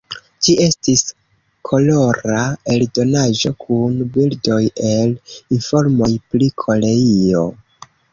Ĝi estis kolora eldonaĵo kun bildoj el, informoj pri Koreio.